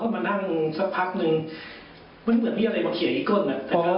มานั่งสักพักนึงมันเหมือนมีอะไรมาเขียนอีกก้นอ่ะ